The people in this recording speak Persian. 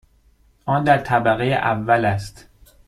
آن در طبقه اول است.